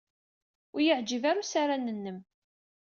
Ur iyi-yeɛjib ara usaran-nnem.